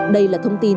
đây là thông tin